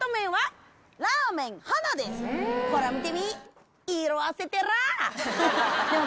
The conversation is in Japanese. ほら見てみ。